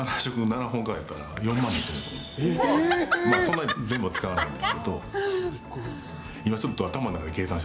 そんなに全部は使わないんですけど。